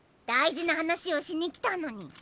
大事な話をしに来たのに。